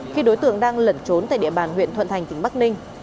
khi đối tượng đang lẩn trốn tại địa bàn huyện thuận thành tỉnh bắc ninh